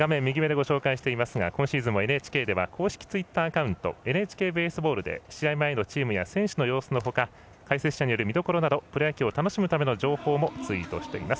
今シーズンもＮＨＫでは公式ツイッターアカウント「ＮＨＫベースボール」で試合前の選手の様子のほか解説者による見どころなどプロ野球を楽しむための情報をツイートしています。